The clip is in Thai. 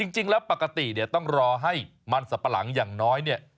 จริงแล้วปกติต้องรอให้มันสัมปะหลังอย่างน้อย